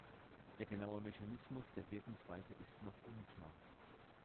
Der genaue Mechanismus der Wirkungsweise ist noch unklar.